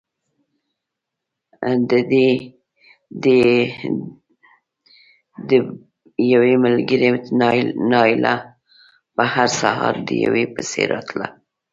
د ډېوې ملګرې نايله به هر سهار ډېوې پسې راتله